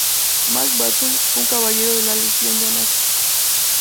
Max Vachon fue un Caballero de la Legión de Honor.